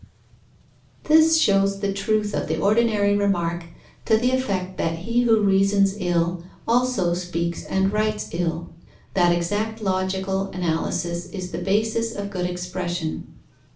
_ This shows the truth of the ordinary remark to the effect that he who reasons ill, also speaks and writes ill, that exact logical analysis is the basis of good expression.